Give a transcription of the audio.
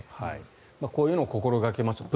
こういうのを心掛けましょう。